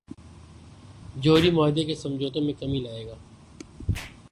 جوہری معاہدے کے سمجھوتوں میں کمی لائے گا۔